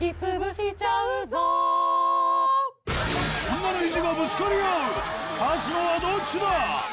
女の意地がぶつかり合う勝つのはどっちだ？